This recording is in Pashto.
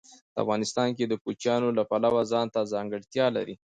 افغانستان د کوچیانو له پلوه ځانته ځانګړتیا لري.